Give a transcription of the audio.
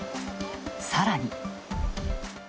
さらに。